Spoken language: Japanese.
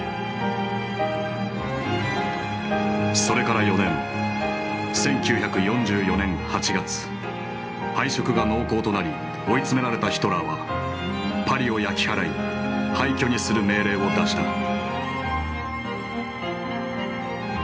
それから４年、１９４４年８月敗色が濃厚となり追い詰められたヒトラーはパリを焼き払い廃虚にする命令を出した。